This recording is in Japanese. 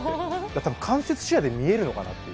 たぶん間接視野で見えるのかなっていう。